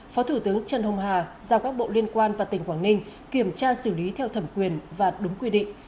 phó thủ tướng trần hồng hà giao các bộ liên quan và tỉnh quảng ninh kiểm tra xử lý theo thẩm quyền và đúng quy định